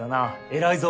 偉いぞ。